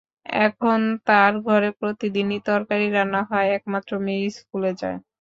এখন তাঁর ঘরে প্রতিদিনই তরকারি রান্না হয়, একমাত্র মেয়ে স্কুলে যায়।